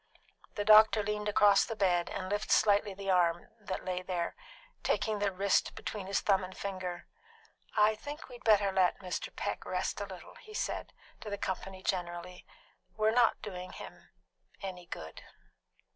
The doctor leaned across the bed and lifted slightly the arm that lay there, taking the wrist between his thumb and finger. "I think we had better let Mr. Peck rest a while," he said to the company generally, "We're doing him no good."